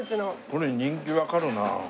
これ人気わかるな。